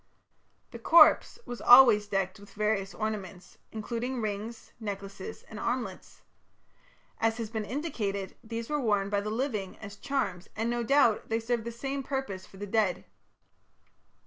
The corpse was always decked with various ornaments, including rings, necklaces, and armlets. As has been indicated, these were worn by the living as charms, and, no doubt, they served the same purpose for the dead.